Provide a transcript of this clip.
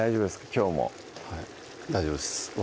きょうもはい大丈夫です私